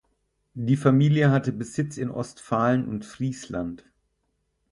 Die Familie hatte Besitz in Ostfalen und Friesland.